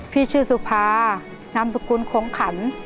พี่ชื่อสุภานามสกุลโขงขัน